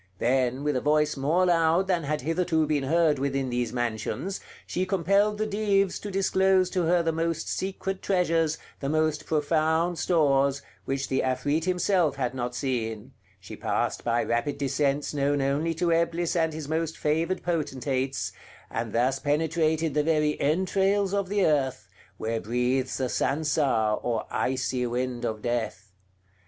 Then, with a voice more loud than had hitherto been heard within these mansions, she compelled the Dives to disclose to her the most secret treasures, the most profound stores, which the Afrit himself had not seen; she passed by rapid descents known only to Eblis and his most favored potentates, and thus penetrated the very entrails of the earth, where breathes the Sansar, or icy wind of death.